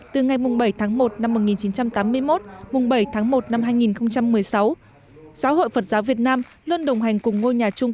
từ ngày bảy tháng một năm một nghìn chín trăm tám mươi một bảy tháng một năm hai nghìn một mươi sáu giáo hội phật giáo việt nam luôn đồng hành cùng ngôi nhà chung